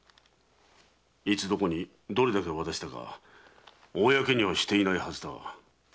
いつどこにどれだけ渡したか公にはしていないはずだが。